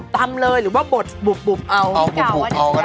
ตำหรือยังมั้ยค่ะพี่เก่าตำให้มั้ยคะได้ไหมพีท